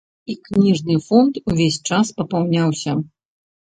І кніжны фонд увесь час папаўняўся.